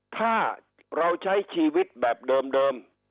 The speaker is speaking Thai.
ถ้าเราใช้ชีวิตแบบเดิม